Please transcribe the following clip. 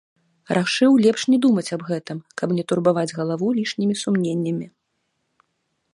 Рашыў лепш не думаць аб гэтым, каб не турбаваць галаву лішнімі сумненнямі.